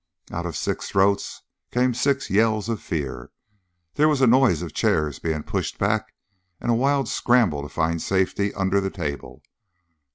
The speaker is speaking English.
Out of six throats came six yells of fear; there was a noise of chairs being pushed back and a wild scramble to find safety under the table.